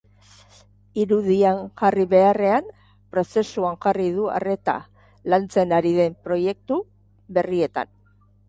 Irudian jarri beharrean, prozesuan jarri du arreta lantzen ari den proiektu berrietan.